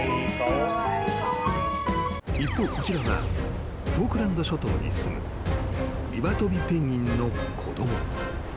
［一方こちらはフォークランド諸島にすむイワトビペンギンの子供］